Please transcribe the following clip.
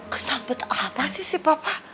kesambut apa sih si papa